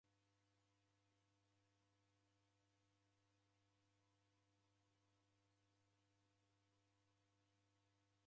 Vilongozi w'itesie w'avu w'isedimagha kushomesha w'ana w'aw'o